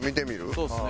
そうですね。